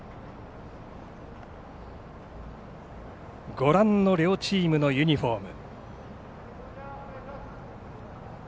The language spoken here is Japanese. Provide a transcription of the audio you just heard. ご覧の両チームのユニフォーム。